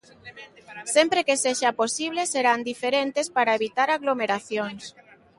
Sempre que sexa posible, serán diferentes para evitar aglomeracións.